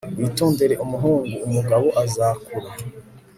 witondere umuhungu, umugabo azakura